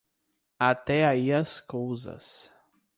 Até aí as cousas.